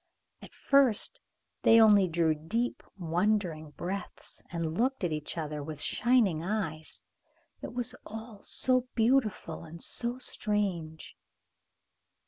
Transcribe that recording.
At first they only drew deep, wondering breaths, and looked at each other with shining eyes. It was all so beautiful and so strange.